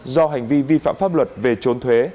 do hành vi vi phạm pháp luật về trốn thuế